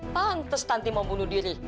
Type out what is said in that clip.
pantes nanti mau bunuh diri